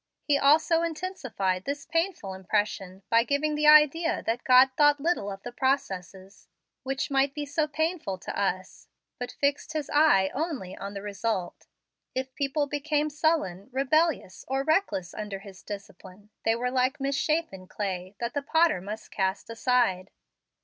He also intensified this painful impression by giving the idea that God thought little of the processes, which might be so painful to us, but fixed His eye only on the result. If people became sullen, rebellious, or reckless under His discipline, they were like misshappen clay, that the potter must cast aside.